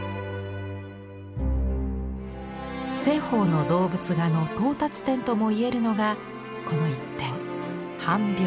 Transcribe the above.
栖鳳の動物画の到達点ともいえるのがこの一点「班猫」。